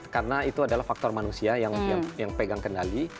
karena itu adalah faktor manusia yang pegang kendali